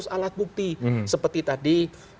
alat bukti seperti tadi